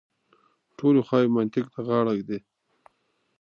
ټولې خواوې منطق ته غاړه کېږدي.